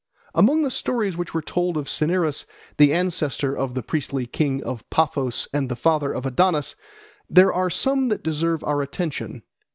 Among the stories which were told of Cinyras, the ancestor of the priestly kings of Paphos and the father of Adonis, there are some that deserve our attention.